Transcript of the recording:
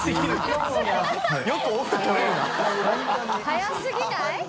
早すぎない？